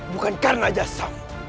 bukan karena jasam